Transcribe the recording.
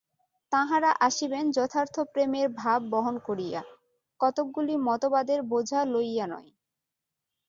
তাঁহারা আসিবেন যথার্থ প্রেমের ভাব বহন করিয়া, কতকগুলি মতবাদের বোঝা লইয়া নয়।